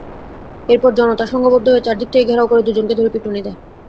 এরপর জনতা সংঘবদ্ধ হয়ে চারদিক থেকে ঘেরাও করে দুজনকে ধরে পিটুনি দেয়।